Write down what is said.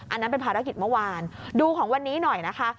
อันนั้นเป็นภารกิจเมื่อวานดูของวันนี้หน่อยนะคะ